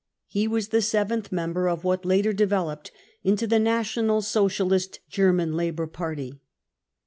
He was the seventh member of what later devel oped into the National Socialist German Labour Party.